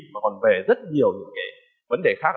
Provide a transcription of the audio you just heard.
mà còn về rất nhiều những cái vấn đề khác